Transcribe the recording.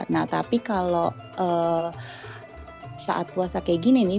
nah tapi kalau saat puasa kayak gini nih